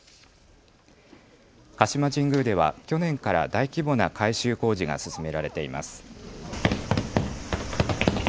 鹿島神宮では去年から大規模な改修工事が進められています。